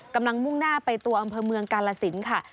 มุ่งหน้าไปตัวอำเภอเมืองกาลสินค่ะ